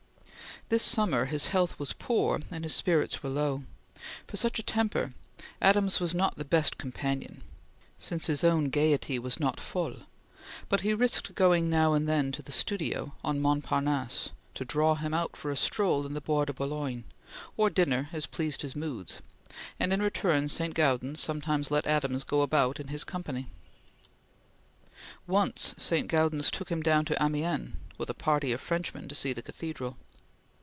This summer his health was poor and his spirits were low. For such a temper, Adams was not the best companion, since his own gaiety was not folle; but he risked going now and then to the studio on Mont Parnasse to draw him out for a stroll in the Bois de Boulogne, or dinner as pleased his moods, and in return St. Gaudens sometimes let Adams go about in his company. Once St. Gaudens took him down to Amiens, with a party of Frenchmen, to see the cathedral.